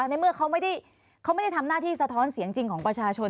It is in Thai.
ในเมื่อเขาไม่ได้ทำหน้าที่สะท้อนเสียงจริงของประชาชน